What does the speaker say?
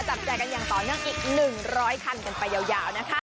จับแจกันอย่างต่อเนื่องอีก๑๐๐คันกันไปยาวนะคะ